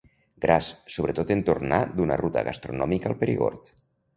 Gras, sobretot en tornar d'una ruta gastronòmica al Perigord.